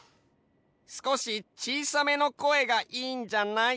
すこしちいさめの声がいいんじゃない？